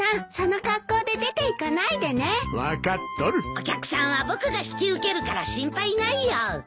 お客さんは僕が引き受けるから心配ないよ。